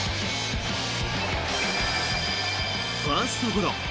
ファーストゴロ。